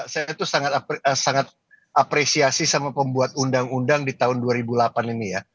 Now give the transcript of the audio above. saya tuh sangat apresiasi sama pembuat undang undang di tahun dua ribu delapan ini ya